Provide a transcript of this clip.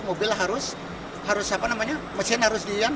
mobil harus apa namanya mesin harus diam